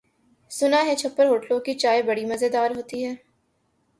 سنا ہے چھپر ہوٹلوں کی چائے بڑی مزیدار ہوتی ہے۔